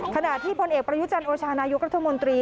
ขณะที่พลเอกประยุจันทร์โอชานายกรัฐมนตรี